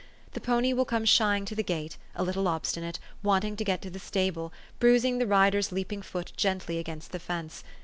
The pony will come shying to the gate, a little obstinate, wanting to get to the stable, bruising the rider's leaping foot gently against the fence.